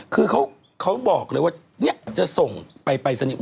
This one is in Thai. คือเค้าบอกเลยว่านี้จะส่งไปสนิท